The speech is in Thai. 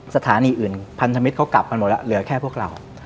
สถานีอื่นพันธมิตรเขากลับกันหมดแล้วเหลือแค่พวกเรา